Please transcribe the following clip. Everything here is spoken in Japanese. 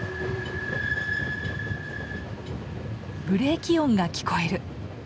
ブレーキ音が聞こえる。